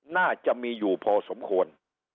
น่าจะมีอยู่พอสมควร